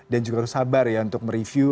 dan juga harus sabar ya untuk mereview